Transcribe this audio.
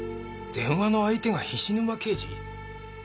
電話の相手が菱沼刑事？